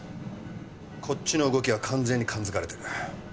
こっちの動きは完全に感付かれてる。